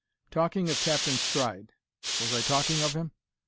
"Talking of Captain Stride was I talking of him?